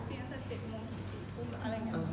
ติดกันแบบเป็นเดือน